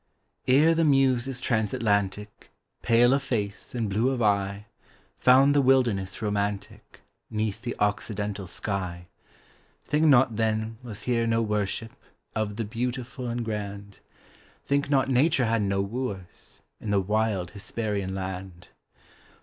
ERE the Muses transatlantic, Pale of face, and blue of eye, Found the wilderness romantic 'Neath the occidental sky, Think not then was here no worship Of the beautiful and grand ; Think not Nature had. no; wooers In the wild Hesperian land.